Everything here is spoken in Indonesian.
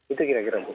itu kira kira bu